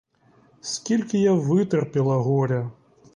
Скільки я витерпіла горя!